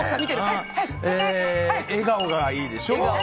笑顔がいいでしょ。